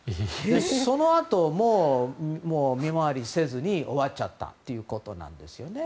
そのあと、見回りせずに終わっちゃったということです。